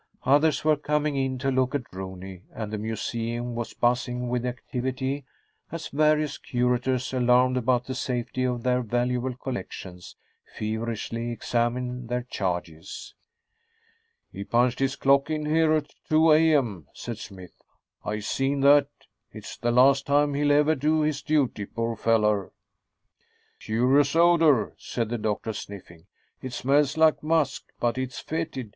Others were coming in to look at Rooney, and the museum was buzzing with activity as various curators, alarmed about the safety of their valuable collections, feverishly examined their charges. "He punched his clock in here at two A.M.," said Smythe. "I seen that. It's the last time he'll ever do his duty, poor feller." "Curious odor," said the doctor, sniffing. "It smells like musk, but is fetid.